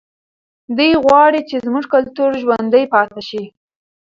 دی غواړي چې زموږ کلتور ژوندی پاتې شي.